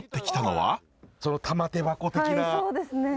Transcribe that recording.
はいそうですね。